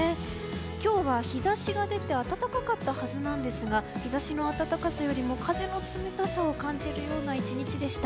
今日は日差しが出て暖かったはずなんですが日差しの暖かさよりも風の冷たさを感じる１日でした。